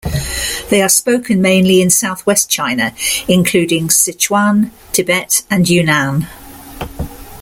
They are spoken mainly in Southwest China, including Sichuan, Tibet and Yunnan.